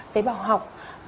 tế bào học